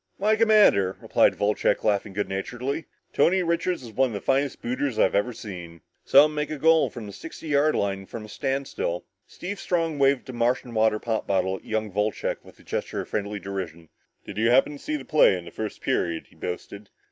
"Why, Commander," replied Wolcheck, laughing good naturedly, "Tony Richards is one of the finest booters I've ever seen. Saw him make a goal from the sixty yard line from a standstill." Steve Strong waved a Martian water pop bottle at young Wolcheck in a gesture of friendly derision. "Did you happen to see the play in the first period?" he boasted.